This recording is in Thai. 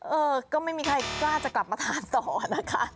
เออก็ไม่มีใครกล้าจะกลับมาทานต่อนะคะ